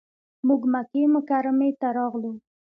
موږ مکې مکرمې ته راغلو.